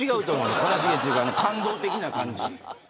悲しげというか、感動的な感じ。